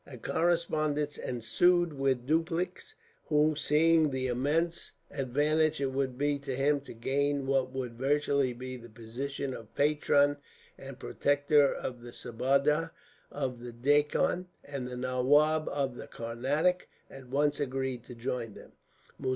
A correspondence ensued with Dupleix, who, seeing the immense advantage it would be to him to gain what would virtually be the position of patron and protector of the Subadar of the Deccan, and the Nawab of the Carnatic, at once agreed to join them.